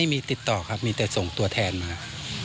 ติดต่อครับมีแต่ส่งตัวแทนมา